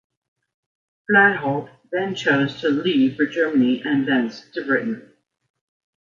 Flahaut then chose to leave for Germany, and thence to Britain.